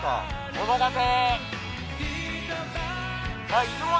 お任せ。